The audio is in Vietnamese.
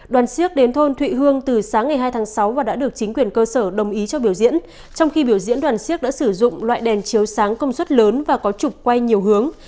đoàn siếc đến thôn thụy hương từ sáng ngày hai tháng sáu và đã được chính quyền cơ sở đồng ý cho biểu diễn trong khi biểu diễn đoàn siếc đã sử dụng loại đèn chiếu sáng công suất lớn và có trục quay nhiều hướng